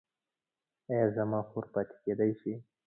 ایا زما خور پاتې کیدی شي؟